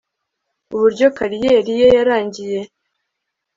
uburyo kariyeri ye yarangiye